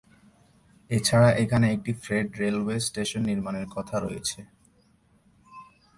এছাড়া এখানে একটি ফ্রেড রেলওয়ে স্টেশন নির্মানের কথা রয়েছে।